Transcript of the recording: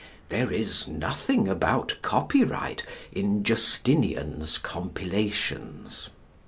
There is nothing about copyright in Justinian's compilations.